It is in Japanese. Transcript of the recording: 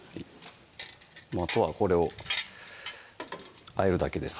あとはこれをあえるだけです